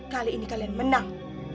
kali ini kalian menang